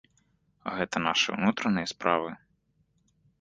Гэта нашы ўнутраныя справы!